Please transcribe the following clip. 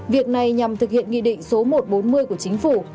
việc này nhằm thực hiện nghị định số một trăm bốn mươi của chính phủ